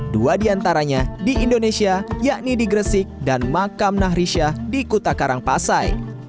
dua diantaranya di indonesia yakni di gersik dan makam nahrisyah di kutakarang pasai